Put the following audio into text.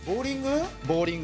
松橋：ボウリング。